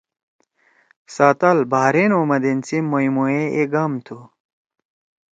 ساتال بحیرن او مدین سی مئموئے اے گام تُھو۔